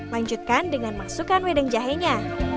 lanjutkan dengan masukkan wedang jahenya